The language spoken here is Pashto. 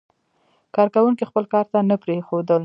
کارکوونکي خپل کار ته نه پرېښودل.